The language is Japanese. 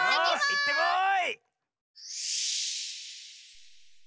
いってこい！